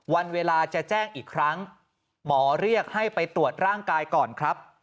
วันเวลาจะแจ้งอีกครั้งหมอเรียกให้ไปตรวจร่างกายก่อนครับ